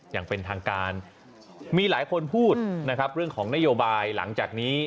อย่างเป็นทางการมีหลายคนพูดนะครับเรื่องของนโยบายหลังจากนี้